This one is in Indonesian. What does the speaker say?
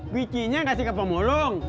kucinya kasih ke pemulung